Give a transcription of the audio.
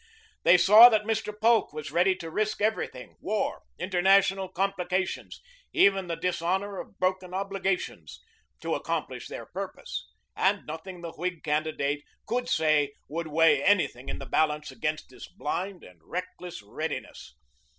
They saw that Mr. Polk was ready to risk everything war, international complications, even the dishonor of broken obligations to accomplish their purpose, and nothing the Whig candidate could say would weigh anything in the balance against this blind and reckless readiness.